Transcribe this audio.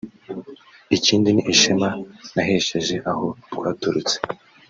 ikindi ni ishema nahesheje aho twaturutse